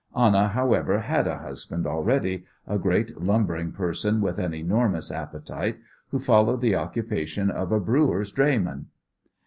Anna, however, had a husband already, a great, lumbering person with an enormous appetite, who followed the occupation of a brewer's drayman!